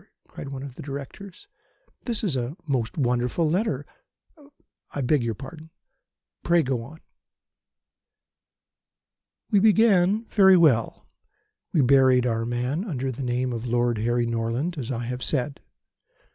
cried one of the Directors, "this is a most wonderful letter. I beg your pardon. Pray go on." "We began very well. We buried our man under the name of Lord Harry Norland, as I have said.